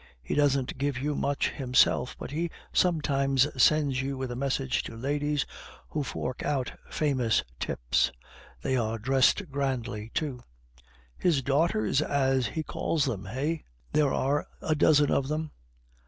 He doesn't give you much himself, but he sometimes sends you with a message to ladies who fork out famous tips; they are dressed grandly, too." "His daughters, as he calls them, eh? There are a dozen of them."